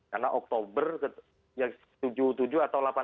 karena oktober tujuh atau delapan bulan gitu ya juga tidak ada masalah gitu